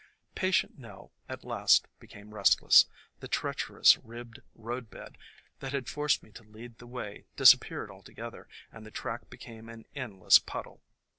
Patient Nell at last became restless, the treach erous ribbed roadbed that had forced me to lead the way disappeared altogether, and the track became an endless puddle.